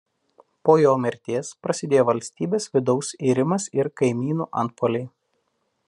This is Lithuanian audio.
Po jo mirties prasidėjo valstybės vidaus irimas ir kaimynų antpuoliai.